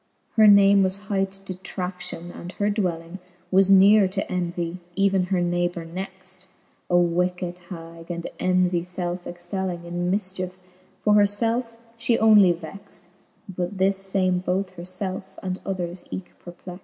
Her name was hight DetraEiion^ and her dwelling Was neare to Envie ^ even her neighbour next; A wicked hag, and Envy felfe excelling In mifchiefe : for her felfe fhe onely vext j But this fame both her felfe, and others eke perplext.